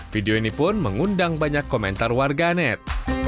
video ini pun mengundang banyak komentar warga net